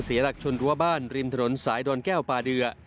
เสียหลักชนรั้วบ้านริมถนนสายดอนแก้วปาเดือ